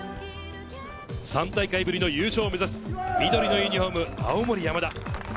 ３大会ぶりの優勝を目指す緑のユニホーム、青森山田。